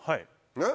ねっ？